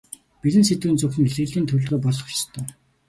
Бэлэн сэдэв нь зөвхөн илтгэлийн төлөвлөгөө болох ёстой.